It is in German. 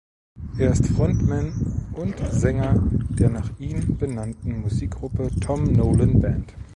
Er ist Frontman und Sänger der nach ihm benannten Musikgruppe "Tom Nolan Band".